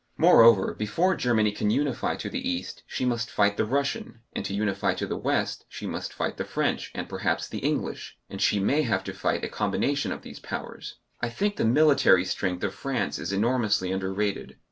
Moreover, before Germany can unify to the East she must fight the Russian, and to unify to the West she must fight the French and perhaps the English, and she may have to fight a combination of these powers. I think the military strength of France is enormously underrated.